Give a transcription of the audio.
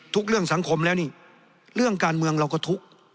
เรื่องสังคมแล้วนี่เรื่องการเมืองเราก็ทุกข์